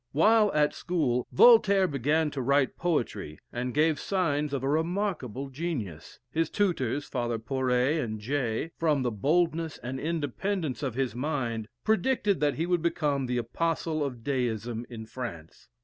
While at school, Voltaire began to write poetry, and gave signs of a remarkable genius. His tutors, Fathers Poree and Jay, from the boldness and independence of his mind predicted that he would become the apostle of Deism in France.